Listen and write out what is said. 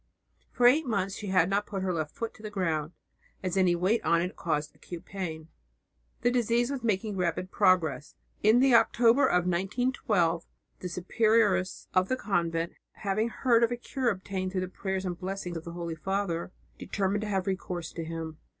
For eight months she had not put her left foot to the ground, as any weight on it caused acute pain. The disease was making rapid progress. In the October of 1912 the superioress of the convent, having heard of a cure obtained through the prayers and blessing of the Holy Father, determined to have recourse to him.